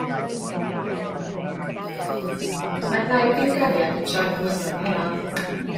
Mae'r ddau gyn-gariad yn troi'n elynion pennaf.